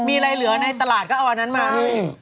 มีอะไรเหลือในตลาดก็เอาอันนั้นมาให้